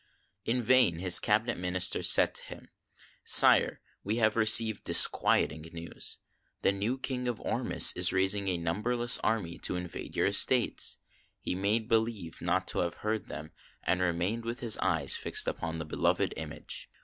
In vain his cabinet ministers said to him: —" Sire, we have received disquieting news. The new King of Ormuz is raising a numberless army to invade your estates." He made believe not to have heard them, and remained with his eyes fixed upon the beloved image.